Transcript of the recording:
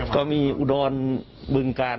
ก็มีอุดรบึงกาล